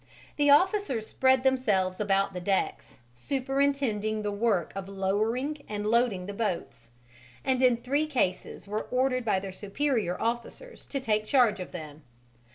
The officers spread themselves about the decks, superintending the work of lowering and loading the boats, and in three cases were ordered by their superior officers to take charge of them.